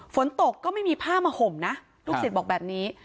ฝนตกก็ไม่มีผ้ามาห่มนะลูกศิษย์บอกแบบนี้